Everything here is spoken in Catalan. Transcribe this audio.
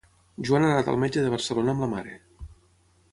Joan ha anat al metge de Barcelona amb la mare.